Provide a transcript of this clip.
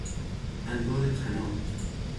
انبار طناب